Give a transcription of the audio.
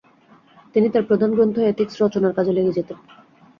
তিনি তার প্রধান গ্রন্থ এথিক্স রচনার কাজে লেগে যেতেন।